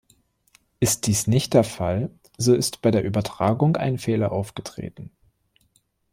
Ist dies nicht der Fall, so ist bei der Übertragung ein Fehler aufgetreten.